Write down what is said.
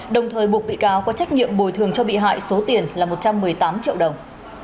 đồng thời buộc bị cáo có trách nhiệm bồi thường cho bị hại số tiền là một trăm một mươi tám triệu đồng